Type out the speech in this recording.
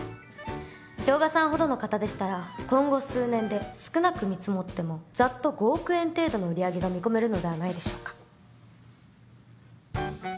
氷河さんほどの方でしたら今後数年で少なく見積もってもざっと５億円程度の売り上げが見込めるのではないでしょうか。